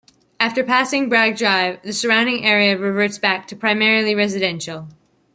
After passing Bragg Drive, the surrounding area reverts back to primarily residential.